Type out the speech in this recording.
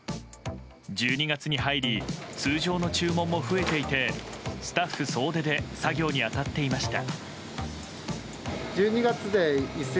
１２月に入り通常の注文も増えていてスタッフ総出で作業に当たっていました。